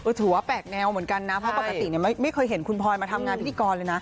ถือว่าแปลกแนวเหมือนกันนะเพราะปกติไม่เคยเห็นคุณพลอยมาทำงานพิธีกรเลยนะ